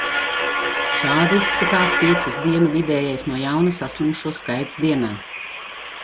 Šādi izskatās piecas dienu vidējais no jauna saslimušo skaits dienā.